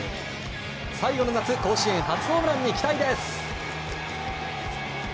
最後の夏甲子園初ホームランに期待です。